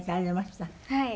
はい。